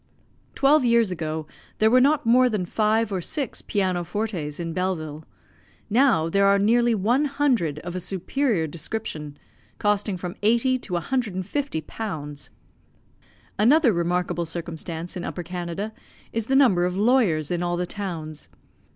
Twelve years ago there were not more than five or six piano fortes in Belleville. Now there are nearly one hundred of a superior description, costing from 80 to 150 pounds. Another remarkable circumstance in Upper Canada is the number of lawyers in all the towns.